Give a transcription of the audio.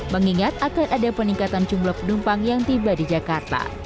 mengingat akan ada peningkatan jumlah penumpang yang tiba di jakarta